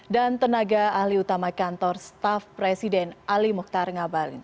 dan tenaga ahli utama kantor staff presiden ali mukhtar ngabalin